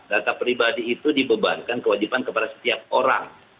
data pribadi itu dibebankan kewajiban kepada setiap orang